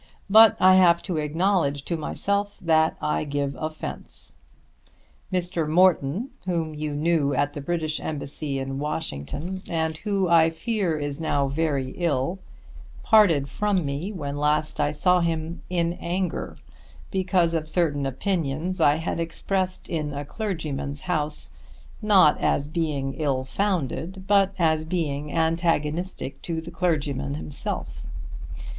But I have to acknowledge to myself that I give offence. Mr. Morton, whom you knew at the British Embassy in Washington, and who I fear is now very ill, parted from me, when last I saw him, in anger because of certain opinions I had expressed in a clergyman's house, not as being ill founded but as being antagonistic to the clergyman himself.